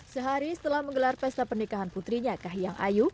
sehari setelah menggelar pesta pernikahan putrinya kahiyang ayu